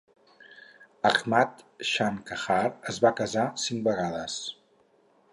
Ahmad Shah Qajar es va casar cinc vegades.